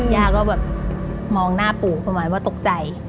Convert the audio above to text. ย่าก็แบบมองหน้าปู่ประมาณว่าตกใจ